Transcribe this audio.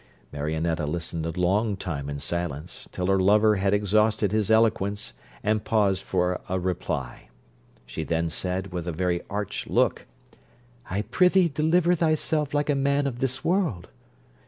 Marionetta listened a long time in silence, till her lover had exhausted his eloquence and paused for a reply. She then said, with a very arch look, 'I prithee deliver thyself like a man of this world.'